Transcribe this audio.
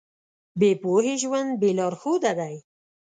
بې پوهې ژوند بې لارښوده دی.